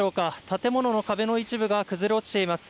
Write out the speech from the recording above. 建物の壁の一部が崩れ落ちています。